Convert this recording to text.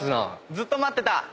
・ずっと待ってた。